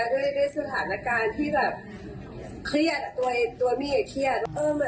ด้วยสถานการณ์ที่เครียดตัวเอง